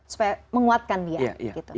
supaya menguatkan dia